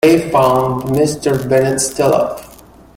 They found Mr. Bennet still up.